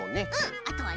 あとはね